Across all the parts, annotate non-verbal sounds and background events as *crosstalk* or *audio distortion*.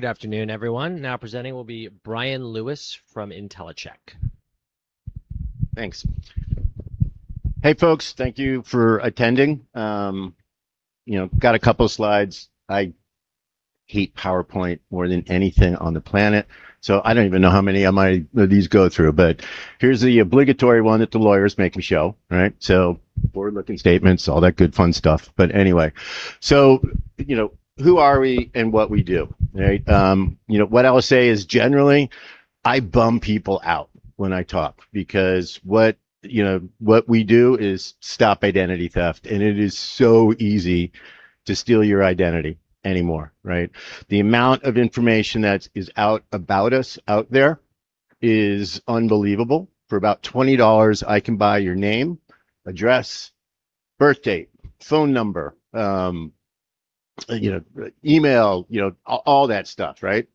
Good afternoon, everyone. Now presenting will be Bryan Lewis from Intellicheck. Thanks. Hey, folks. Thank you for attending. Got a couple of slides. I hate PowerPoint more than anything on the planet, so I don't even know how many of these go through. Here's the obligatory one that the lawyers make me show, right? Forward-looking statements, all that good fun stuff. Anyway. Who are we and what we do? Right. What I will say is generally, I bum people out when I talk because what we do is stop identity theft, and it is so easy to steal your identity anymore, right? The amount of information that is out about us out there is unbelievable. For about $20, I can buy your name, address, birthdate, phone number, email, all that stuff, right?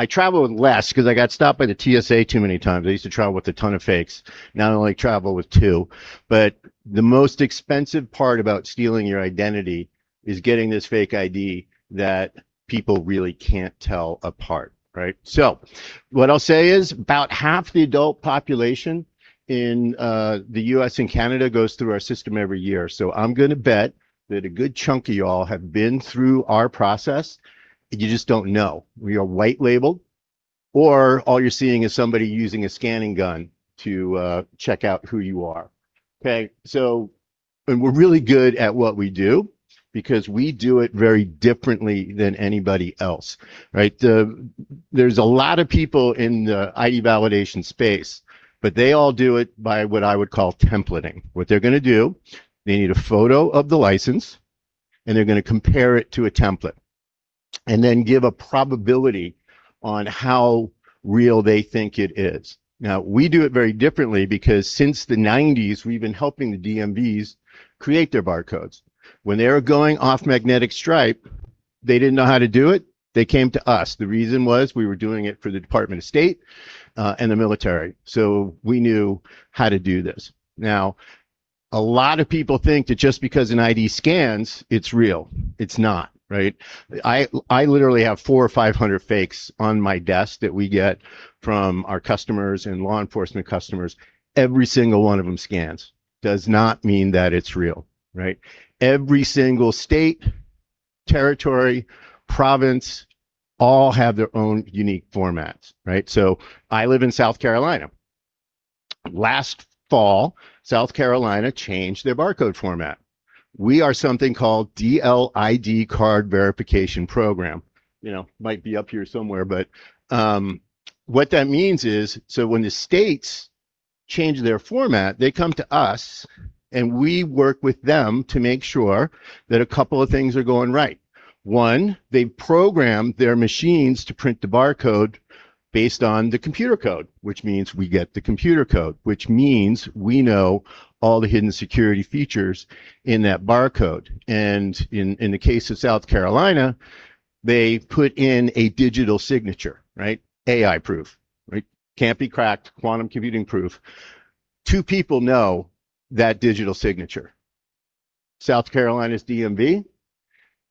I travel with less because I got stopped by the TSA too many times. I used to travel with a ton of fakes. Now I only travel with two. The most expensive part about stealing your identity is getting this fake ID that people really can't tell apart, right? What I'll say is about half the adult population in the U.S. and Canada goes through our system every year. I'm going to bet that a good chunk of you all have been through our process, you just don't know. We are white-labeled, or all you're seeing is somebody using a scanning gun to check out who you are. Okay. We really good at what we do, because we do it very differently than anybody else. Right, there's a lot of people in the ID validation space, they all do it by what I would call templating. What they're going to do, they need a photo of the license, and they're going to compare it to a template, and then give a probability on how real they think it is. We do it very differently, because since the '90s, we've been helping the DMVs create their barcodes. When they were going off magnetic stripe, they didn't know how to do it, they came to us. The reason was we were doing it for the Department of State, and the military. We knew how to do this. A lot of people think that just because an ID scans, it's real. It's not, right? I literally have four or 500 fakes on my desk that we get from our customers and law enforcement customers. Every single one of them scans. Does not mean that it's real, right? Every single state, territory, province all have their own unique formats, right? I live in South Carolina. Last fall, South Carolina changed their barcode format. We are something called DL/ID Card Verification Program. Might be up here somewhere, what that means is, when the states change their format, they come to us and we work with them to make sure that a couple of things are going right. One, they've programmed their machines to print the barcode based on the computer code, which means we get the computer code, which means we know all the hidden security features in that barcode. In the case of South Carolina, they put in a digital signature. Right. AI proof. Right. Can't be cracked. Quantum computing proof. Two people know that digital signature, South Carolina's DMV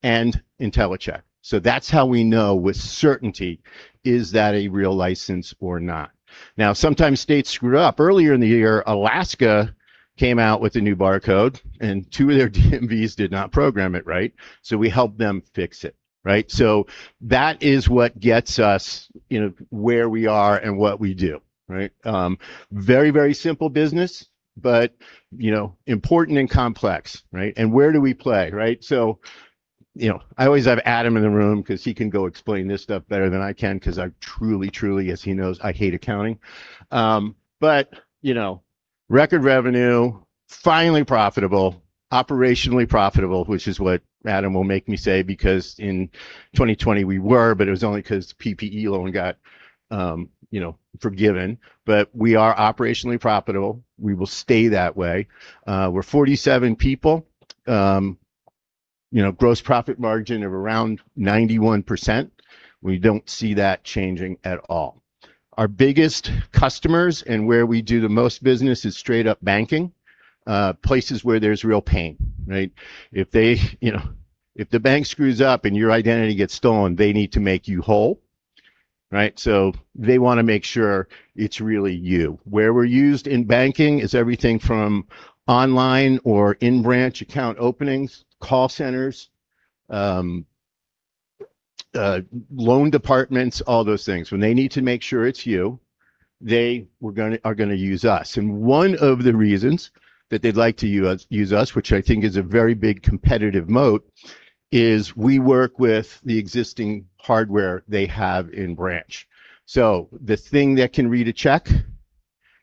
and Intellicheck. That's how we know with certainty, is that a real license or not? Sometimes states screw up. Earlier in the year, Alaska came out with a new barcode, and two of their DMVs did not program it right, so we helped them fix it. Right? That is what gets us where we are and what we do. Right? Very simple business, but important and complex. Right? Where do we play? Right? I always have Adam in the room because he can go explain this stuff better than I can because I truly, as he knows, I hate accounting. Record revenue, finally profitable, operationally profitable, which is what Adam will make me say, because in 2020 we were, but it was only because PPP loan got forgiven. We are operationally profitable. We will stay that way. We're 47 people. Gross profit margin of around 91%. We don't see that changing at all. Our biggest customers and where we do the most business is straight up banking, places where there's real pain. Right? If the bank screws up and your identity gets stolen, they need to make you whole. Right? They want to make sure it's really you. Where we're used in banking is everything from online or in-branch account openings, call centers, loan departments, all those things. When they need to make sure it's you, they are going to use us. One of the reasons that they'd like to use us, which I think is a very big competitive moat, is we work with the existing hardware they have in branch. The thing that can read a check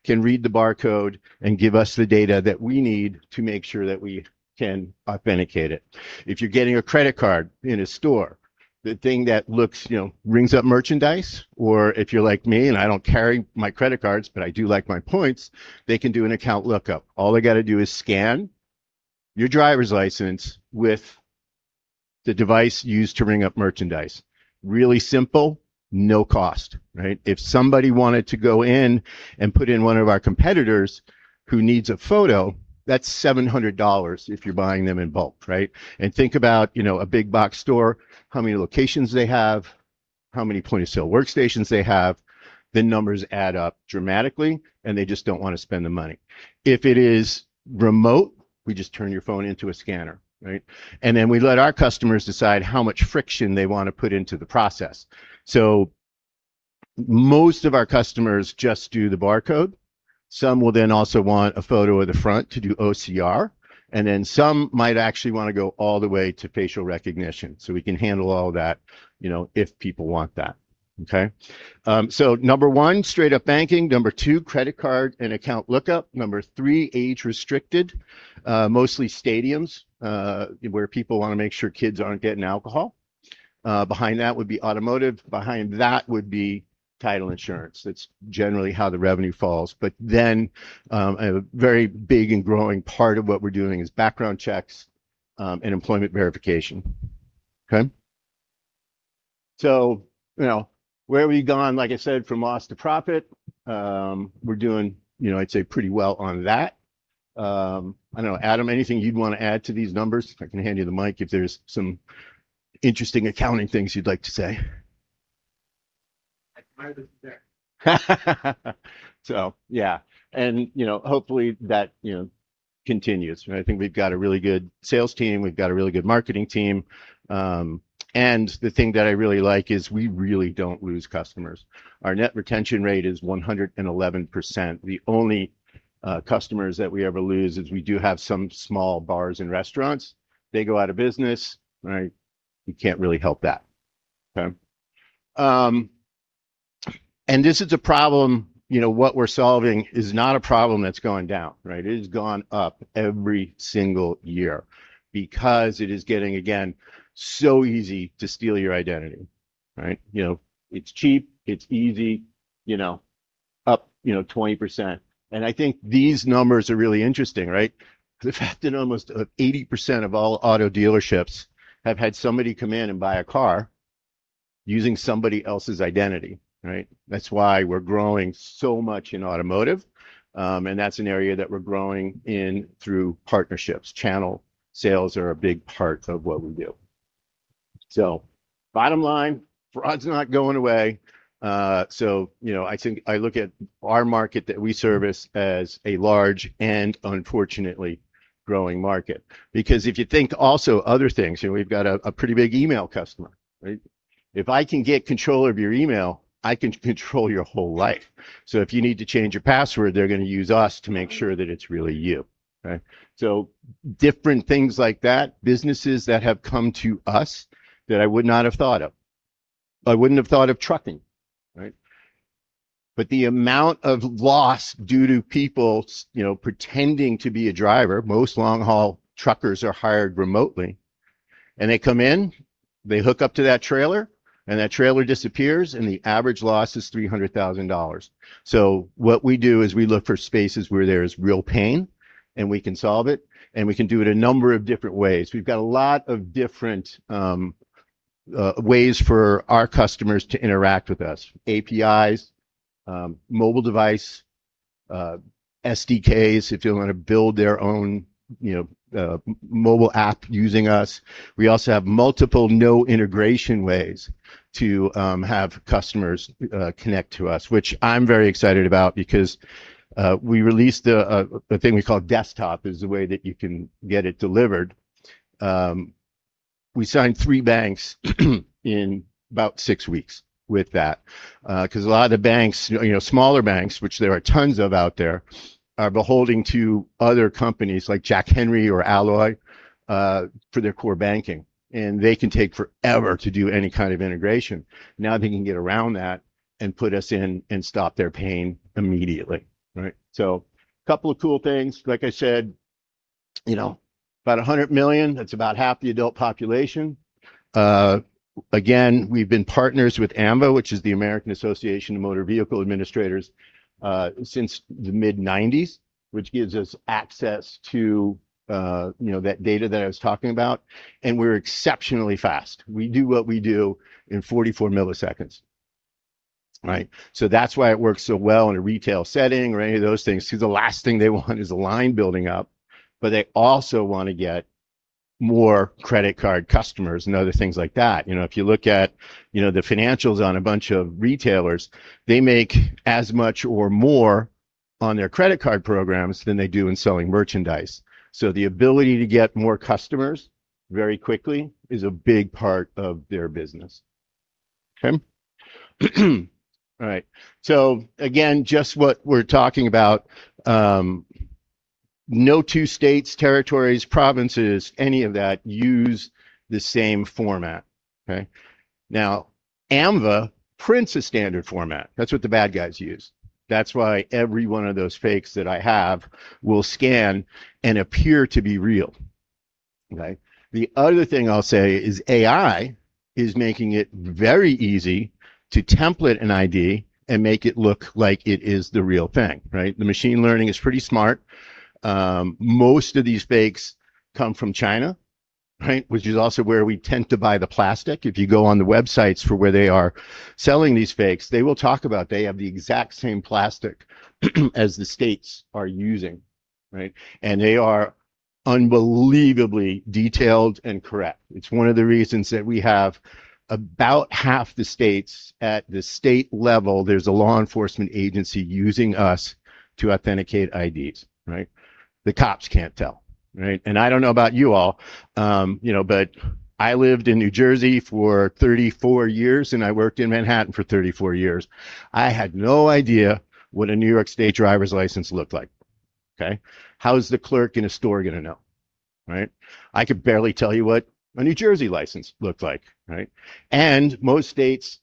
can read the barcode and give us the data that we need to make sure that we can authenticate it. If you're getting a credit card in a store, the thing that rings up merchandise, or if you're like me and I don't carry my credit cards, but I do like my points, they can do an account lookup. All they got to do is scan your driver's license with the device used to ring up merchandise. Really simple. No cost, right? If somebody wanted to go in and put in one of our competitors who needs a photo, that's $700 if you're buying them in bulk, right? Think about a big box store, how many locations they have, how many point-of-sale workstations they have. The numbers add up dramatically, and they just don't want to spend the money. If it is remote, we just turn your phone into a scanner, right? Then we let our customers decide how much friction they want to put into the process. Most of our customers just do the barcode. Some will then also want a photo of the front to do OCR, and then some might actually want to go all the way to facial recognition. We can handle all that if people want that. Okay? Number one, straight up banking. Number two, credit card and account lookup. Number three, age restricted, mostly stadiums where people want to make sure kids aren't getting alcohol. Behind that would be automotive. Behind that would be title insurance. That's generally how the revenue falls. A very big and growing part of what we're doing is background checks and employment verification. Okay? Where have we gone? Like I said, from loss to profit. We're doing I'd say pretty well on that. I don't know, Adam, anything you'd want to add to these numbers? I can hand you the mic if there's some interesting accounting things you'd like to say. I'd admire this from there. Yeah. Hopefully that continues. I think we've got a really good sales team. We've got a really good marketing team. The thing that I really like is we really don't lose customers. Our net retention rate is 111%. The only customers that we ever lose is we do have some small bars and restaurants. They go out of business. We can't really help that. Okay? This is a problem, what we're solving is not a problem that's going down, right? It has gone up every single year because it is getting, again, so easy to steal your identity. Right? It's cheap, it's easy, up 20%. I think these numbers are really interesting, right? The fact that almost 80% of all auto dealerships have had somebody come in and buy a car using somebody else's identity, right? That's why we're growing so much in automotive. That's an area that we're growing in through partnerships. Channel sales are a big part of what we do. Bottom line, fraud's not going away. I look at our market that we service as a large and unfortunately growing market. If you think also other things, we've got a pretty big email customer, right? If I can get control of your email, I can control your whole life. If you need to change your password, they're going to use us to make sure that it's really you, right? Different things like that, businesses that have come to us that I would not have thought of. I wouldn't have thought of trucking. Right? The amount of loss due to people pretending to be a driver, most long-haul truckers are hired remotely, and they come in, they hook up to that trailer, and that trailer disappears, and the average loss is $300,000. What we do is we look for spaces where there is real pain, and we can solve it, and we can do it a number of different ways. We've got a lot of different ways for our customers to interact with us. APIs, mobile device, SDKs, if they want to build their own mobile app using us. We also have multiple no integration ways to have customers connect to us, which I'm very excited about because we released a thing we call Desktop, is a way that you can get it delivered. We signed three banks in about six weeks with that. A lot of the banks, smaller banks, which there are tons of out there, are beholding to other companies like Jack Henry or Alloy, for their core banking. They can take forever to do any kind of integration. Now they can get around that and put us in and stop their pain immediately, right? Couple of cool things. Like I said, about 100 million, that's about half the adult population. Again, we've been partners with AAMVA, which is the American Association of Motor Vehicle Administrators, since the mid-'90s, which gives us access to that data that I was talking about. We're exceptionally fast. We do what we do in 44 ms, right? That's why it works so well in a retail setting or any of those things, because the last thing they want is a line building up. They also want to get more credit card customers and other things like that. If you look at the financials on a bunch of retailers, they make as much or more on their credit card programs than they do in selling merchandise. The ability to get more customers very quickly is a big part of their business. Okay? All right. Again, just what we're talking about, no two states, territories, provinces, any of that use the same format. Okay? Now, AAMVA prints a standard format. That's what the bad guys use. That's why every one of those fakes that I have will scan and appear to be real. Okay? The other thing I'll say is AI is making it very easy to template an ID and make it look like it is the real thing, right? The machine learning is pretty smart. Most of these fakes come from China. Right, which is also where we tend to buy the plastic. If you go on the websites for where they are selling these fakes, they will talk about they have the exact same plastic as the states are using. They are unbelievably detailed and correct. It's one of the reasons that we have about half the states at the state level, there's a law enforcement agency using us to authenticate IDs. The cops can't tell. I don't know about you all, but I lived in New Jersey for 34 years, and I worked in Manhattan for 34 years. I had no idea what a New York State driver's license looked like. Okay? How is the clerk in a store going to know? I could barely tell you what a New Jersey license looked like. Most states,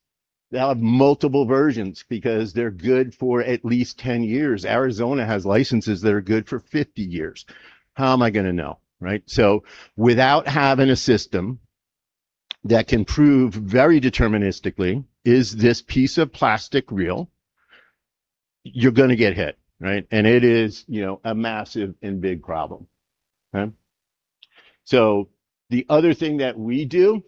they'll have multiple versions because they're good for at least 10 years. Arizona has licenses that are good for 50 years. How am I going to know? Without having a system that can prove very deterministically is this piece of plastic real, you're going to get hit. It is a massive and big problem. Okay? The other thing that we do,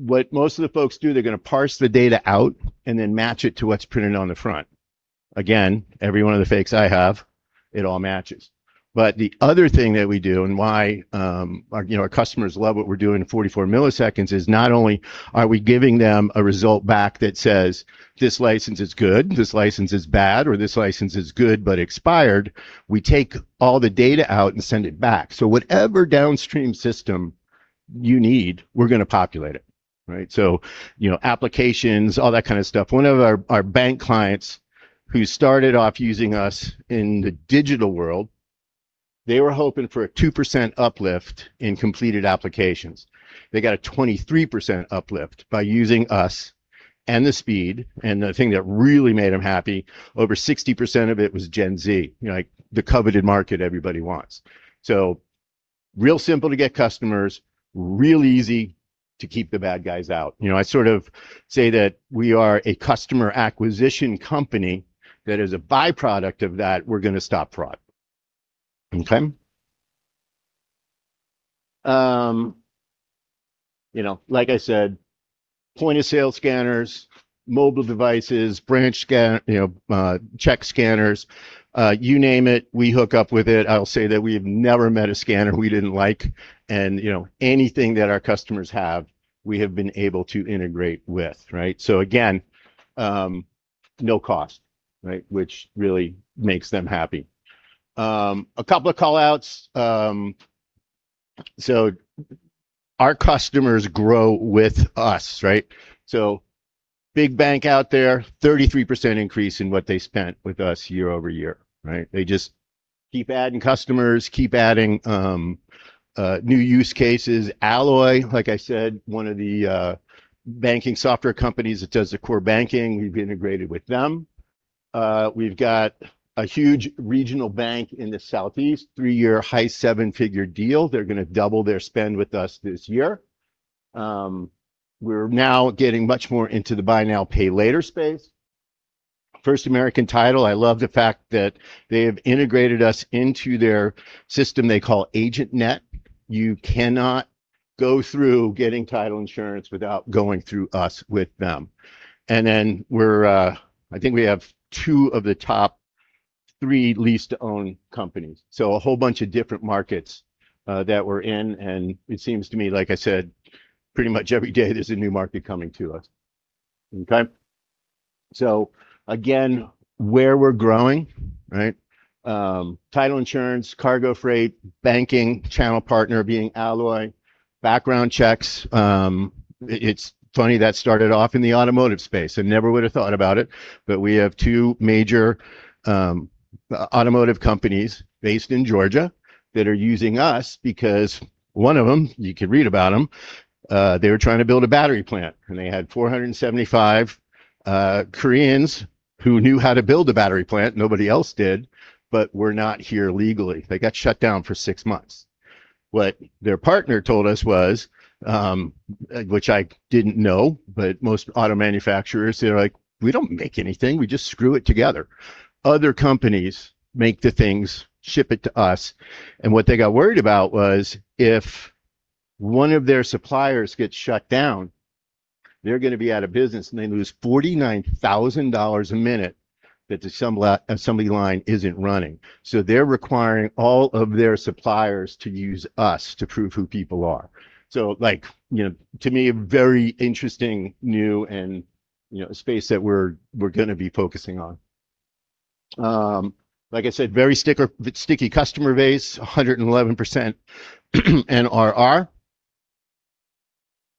what most of the folks do, they're going to parse the data out and then match it to what's printed on the front. Again, every one of the fakes I have, it all matches. The other thing that we do and why our customers love what we're doing in 44 ms is not only are we giving them a result back that says, "This license is good," "This license is bad," or "This license is good, but expired," we take all the data out and send it back. Whatever downstream system you need, we're going to populate it. Applications, all that kind of stuff. One of our bank clients who started off using us in the digital world, they were hoping for a 2% uplift in completed applications. They got a 23% uplift by using us and the speed, and the thing that really made them happy, over 60% of it was Gen Z, the coveted market everybody wants. Real simple to get customers, real easy to keep the bad guys out. I sort of say that we are a customer acquisition company that as a byproduct of that, we're going to stop fraud. Okay? Like I said, point-of-sale scanners, mobile devices, branch check scanners, you name it, we hook up with it. I'll say that we have never met a scanner we didn't like, and anything that our customers have, we have been able to integrate with. Again, no cost which really makes them happy. A couple of call-outs. Our customers grow with us. Big bank out there, 33% increase in what they spent with us year-over-year. They just keep adding customers, keep adding new use cases. Alloy, like I said, one of the banking software companies that does the core banking, we've integrated with them. We've got a huge regional bank in the Southeast, three-year high seven-figure deal. They're going to double their spend with us this year. We're now getting much more into the buy now, pay later space. First American Title, I love the fact that they have integrated us into their system they call AgentNet. You cannot go through getting title insurance without going through us with them. I think we have two of the top three lease-to-own companies. A whole bunch of different markets that we're in, and it seems to me, like I said, pretty much every day there's a new market coming to us. Okay? Again, where we're growing. Title insurance, cargo freight, banking, channel partner being Alloy, background checks. It's funny, that started off in the automotive space. I never would've thought about it, but we have two major automotive companies based in Georgia that are using us because one of them, you could read about them, they were trying to build a battery plant, and they had 475 Koreans who knew how to build a battery plant. Nobody else did, but were not here legally. They got shut down for six months. What their partner told us was, which I didn't know, but most auto manufacturers, they're like, "We don't make anything. We just screw it together. Other companies make the things, ship it to us." What they got worried about was if one of their suppliers gets shut down, they're going to be out of business, and they lose $49,000 a minute that the assembly line isn't running. They're requiring all of their suppliers to use us to prove who people are. To me, a very interesting, new and a space that we're going to be focusing on. Like I said, very sticky customer base, 111% NRR.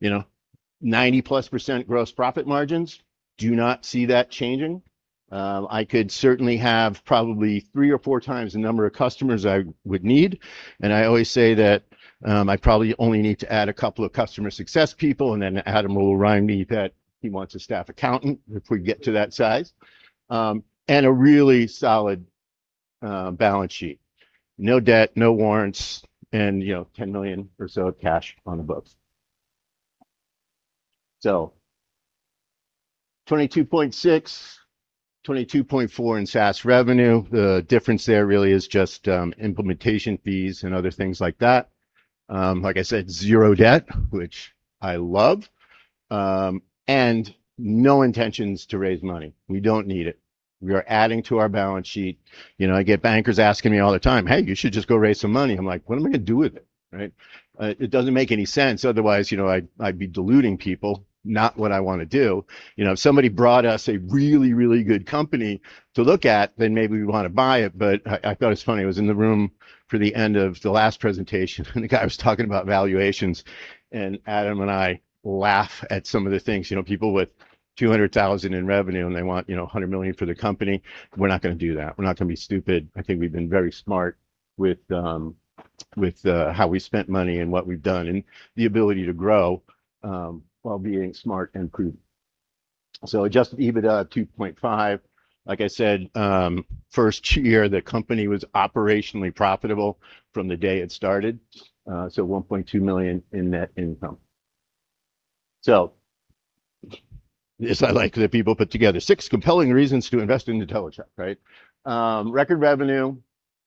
90%+ gross profit margins. Do not see that changing. I could certainly have probably three or four times the number of customers I would need, and I always say that I probably only need to add a couple of customer success people, Adam will remind me that he wants a staff accountant if we get to that size. A really solid balance sheet. No debt, no warrants, and $10 million or so of cash on the books. $22.6 million, $22.4 million in SaaS revenue. The difference there really is just implementation fees and other things like that. Like I said, zero debt, which I love, and no intentions to raise money. We don't need it. We are adding to our balance sheet. I get bankers asking me all the time, "Hey, you should just go raise some money." I'm like, "What am I going to do with it?" Right? It doesn't make any sense, otherwise, I'd be diluting people, not what I want to do. If somebody brought us a really, really good company to look at, then maybe we'd want to buy it. I thought it was funny. I was in the room for the end of the last presentation, Adam and I laugh at some of the things. People with $200,000 in revenue and they want $100 million for their company. We're not going to do that. We're not going to be stupid. I think we've been very smart with how we spent money and what we've done, and the ability to grow, while being smart and prudent. Adjusted EBITDA $2.5 million. Like I said, first year, the company was operationally profitable from the day it started. $1.2 million in net income. This I like that people put together. Six compelling reasons to invest in Intellicheck, right? Record revenue,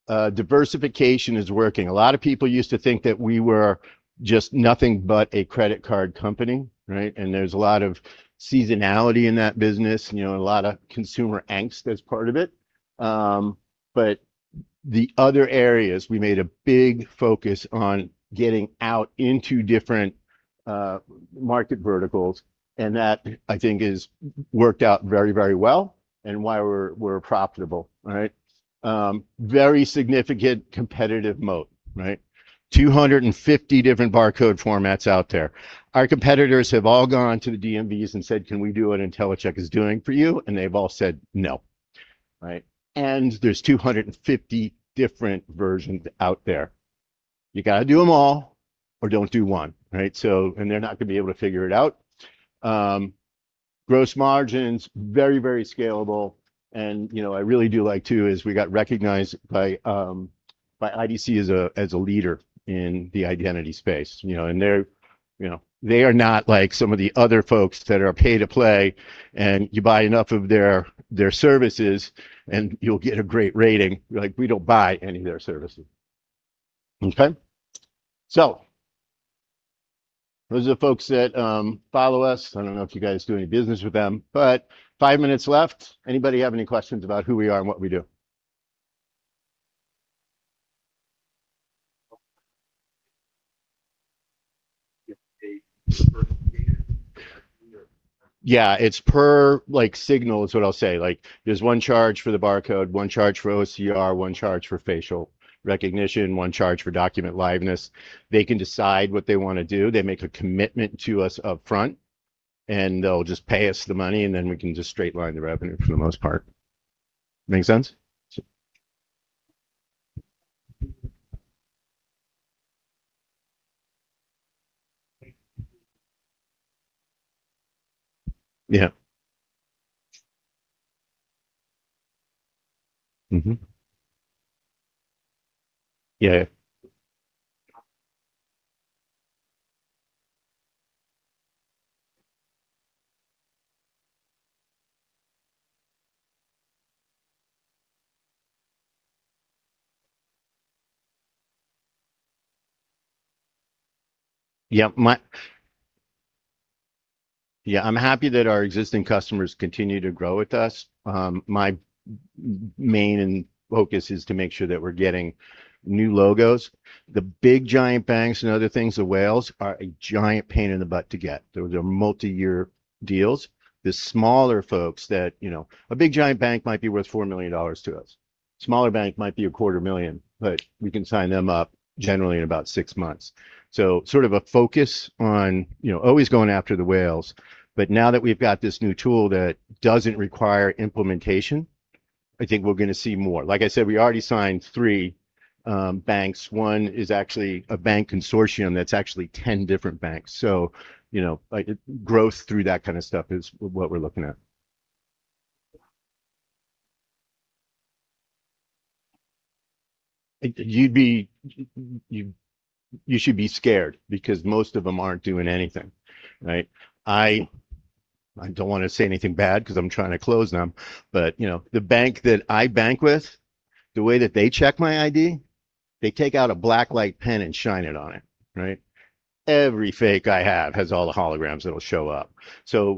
diversification is working. A lot of people used to think that we were just nothing but a credit card company, right? There's a lot of seasonality in that business, a lot of consumer angst as part of it. The other areas, we made a big focus on getting out into different market verticals, and that, I think has worked out very, very well and why we're profitable. Right? Very significant competitive moat, right? 250 different barcode formats out there. Our competitors have all gone to the DMVs and said, "Can we do what Intellicheck is doing for you?" They've all said no, right? There's 250 different versions out there. You got to do them all or don't do one, right? They're not going to be able to figure it out. Gross margins, very, very scalable, and I really do like too is we got recognized by IDC as a leader in the identity space. They are not like some of the other folks that are pay to play, and you buy enough of their services, and you'll get a great rating. We don't buy any of their services. Okay? Those are the folks that follow us. I don't know if you guys do any business with them, five minutes left. Anybody have any questions about who we are and what we do? *audio distortion* Yeah, it's per signal, is what I'll say. There's one charge for the barcode, one charge for OCR, one charge for facial recognition, one charge for document liveness. They can decide what they want to do. They make a commitment to us upfront, and they'll just pay us the money, and then we can just straight line the revenue for the most part. Make sense? Yeah. Mm-hmm. Yeah. Yeah, I'm happy that our existing customers continue to grow with us. My main focus is to make sure that we're getting new logos. The big giant banks and other things, the whales, are a giant pain in the butt to get. They're multi-year deals. A big giant bank might be worth $4 million to us. Smaller bank might be a quarter million, but we can sign them up generally in about six months. Sort of a focus on always going after the whales, but now that we've got this new tool that doesn't require implementation, I think we're going to see more. Like I said, we already signed three banks. One is actually a bank consortium that's actually 10 different banks. Growth through that kind of stuff is what we're looking at. You should be scared because most of them aren't doing anything. Right? I don't want to say anything bad because I'm trying to close them, the bank that I bank with, the way that they check my ID, they take out a black light pen and shine it on it. Right? Every fake I have has all the holograms that'll show up.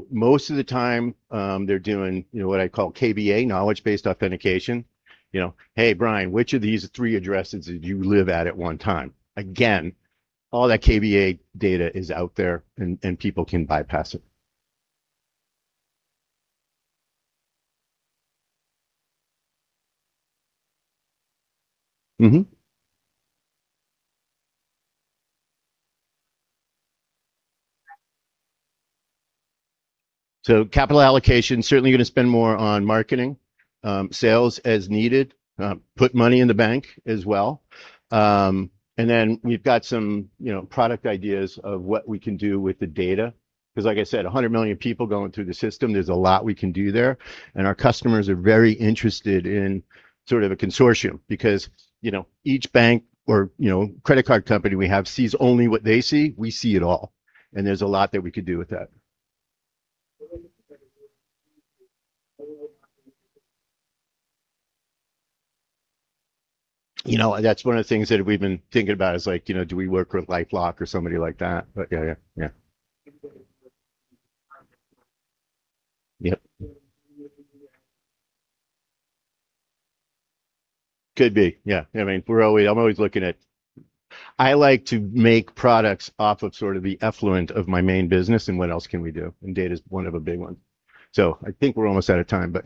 Most of the time, they're doing what I call KBA, knowledge-based authentication. "Hey, Bryan, which of these three addresses did you live at one time?" Again, all that KBA data is out there, and people can bypass it. Capital allocation, certainly going to spend more on marketing. Sales as needed. Put money in the bank as well. Then we've got some product ideas of what we can do with the data because like I said, 100 million people going through the system, there's a lot we can do there, and our customers are very interested in sort of a consortium because each bank or credit card company we have sees only what they see. We see it all, and there's a lot that we could do with that. That's one of the things that we've been thinking about is do we work with LifeLock or somebody like that? Yeah. Yep. Could be, yeah. I like to make products off of sort of the effluent of my main business and what else can we do, and data's one of a big one. I think we're almost out of time.